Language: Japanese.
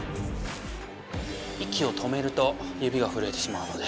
いきを止めると指がふるえてしまうので。